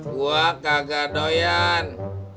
gua kagak doyan